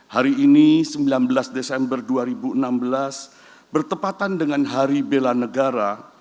hari ini sembilan belas desember dua ribu enam belas bertepatan dengan hari bela negara